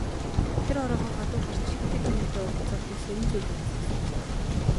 Тэр оройгоо гадуур гарч хэд хэдэн хүнтэй уулзаад нэг сонин зүйл олж сонсов.